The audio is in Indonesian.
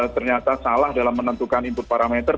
ternyata salah dalam menentukan input parameter